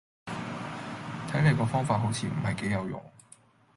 睇黎個方法好似唔係幾有用